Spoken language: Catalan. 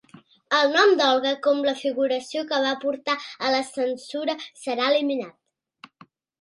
El nom d'Olga, com la figuració que va portar a la censura, serà eliminat.